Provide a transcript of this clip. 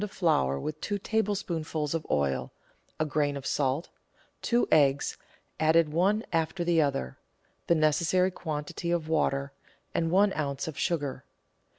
of flour with two tablespoonfuls of oil, a grain of salt, two eggs (added one after the other), the necessary quantity of water, and one oz. of sugar.